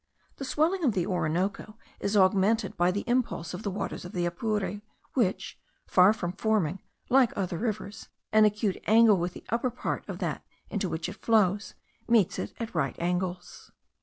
The swelling of the Orinoco is augmented by the impulse of the waters of the Apure, which, far from forming, like other rivers, an acute angle with the upper part of that into which it flows, meets it at right angles.